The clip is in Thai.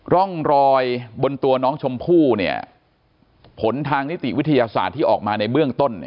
ร่องรอยบนตัวน้องชมพู่ผลทางนิติวิทยาศาสตร์ที่ออกมาในเบื้องต้น